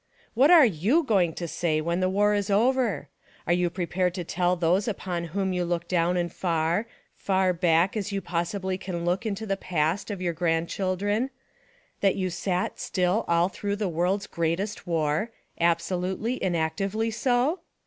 What are yoii going to say when the war is over? Are you prepared to tell 'those upon whom you look down and far, far back as you possibly can look into the past of your grand c'hildren, "that you sat still all through the world's greatest war" — absolutely, inactively so?